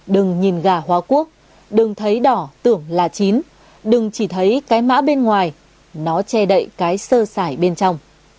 đừng nhìn gà hóa quốc đừng thấy đỏ tưởng là chín đừng chỉ thấy cái mã bên ngoài nó che đậy cái sơ sải bên trong